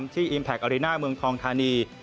ที่อิมแพคอาริน่าเมืองทองทานี